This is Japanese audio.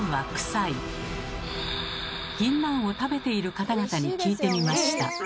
ぎんなんを食べている方々に聞いてみました。